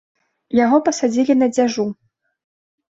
Яго пасадзілі на дзяжу.